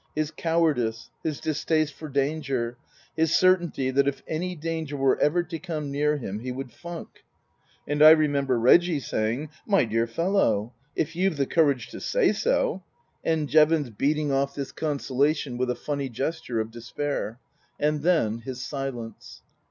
His cowardice his distaste for danger his certainty that if any danger were ever to come near him he would funk. And I remember Reggie saying, " My dear fellow, if you've the courage to say so " and Jevons beating off Book I : My Book 45 this consolation with a funny gesture of despair. And then his silence.